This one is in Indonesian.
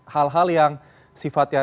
hal hal yang sifatnya